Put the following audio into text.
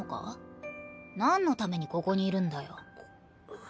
何のためにここにいるんだよ。